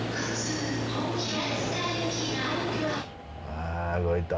あ動いた。